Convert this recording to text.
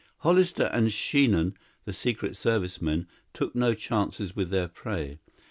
Hollister and Sheehan, the Secret Service men, took no chances with their prey.